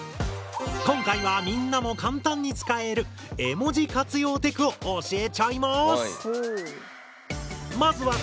今回はみんなも簡単に使える絵文字活用テクを教えちゃいます！